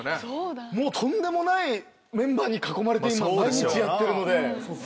とんでもないメンバーに囲まれて毎日やってるので。